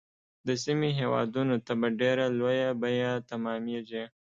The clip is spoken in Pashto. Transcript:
د سیمې هیوادونو ته به په ډیره لویه بیعه تمامیږي.